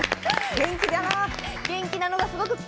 元気やな。